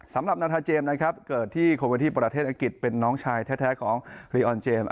สำหรับนาทาเจมส์นะครับเกิดที่โคเวดีประเทศอังกฤษเป็นน้องชายแท้ของรีออนเจมส์